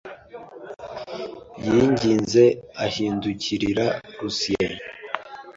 Yinginze ahindukirira Lucien